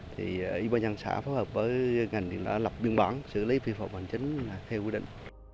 thì y bà nhân xã phối hợp với ngành thì đã lập biên bản xử lý phi phẩm hoàn chính theo quy định